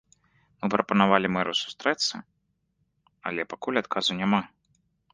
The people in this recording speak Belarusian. Мы прапанавалі мэру сустрэцца, але пакуль адказу няма.